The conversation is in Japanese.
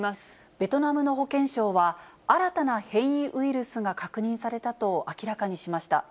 ベトナムの保健相は、新たな変異ウイルスが確認されたと明らかにしました。